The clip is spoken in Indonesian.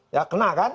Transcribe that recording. ya kena kan